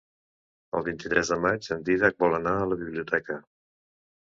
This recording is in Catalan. El vint-i-tres de maig en Dídac vol anar a la biblioteca.